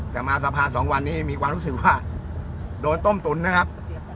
แต่มาสภา๒วันนี้มีความรู้สึกว่าโดนต้มตุ๋นนะครับ